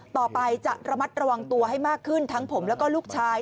ต่อไปจะระมัดระวังตัวให้มากขึ้นทั้งผมแล้วก็ลูกชาย